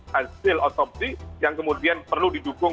hasil otopsi yang kemudian perlu didukung